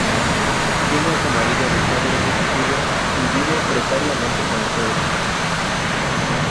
Tiene a su marido en estado vegetativo y vive precariamente con la suegra.